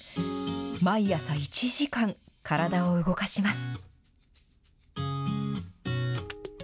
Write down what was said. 毎朝１時間、体を動かします。